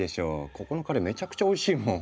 ここのカレーめちゃくちゃおいしいもん。